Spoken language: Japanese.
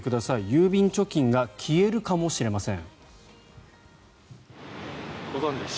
郵便貯金が消えるかもしれません。